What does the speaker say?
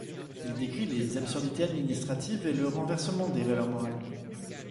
Il décrit les absurdités administratives et le renversement des valeurs morales.